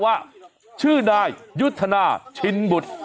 ว่าชื่อนายยุทธนาชินบุตร